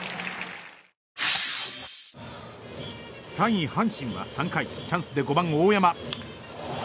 ３位、阪神は３回チャンスで５番、大山。